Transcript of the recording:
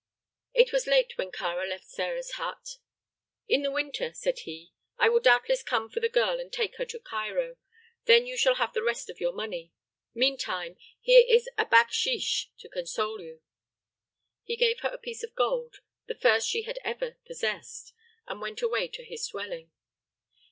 It was late when Kāra left Sĕra's hut. "In the winter," said he, "I will doubtless come for the girl and take her to Cairo. Then you shall have the rest of your money. Meantime, here is backshish to console you." He gave her a piece of gold the first she had ever possessed and went away to his dwelling.